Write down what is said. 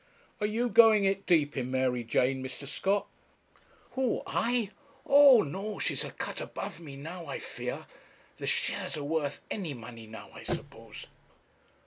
Are you going it deep in Mary Jane, Mr. Scott?' 'Who? I! O no she's a cut above me now, I fear. The shares are worth any money now, I suppose.'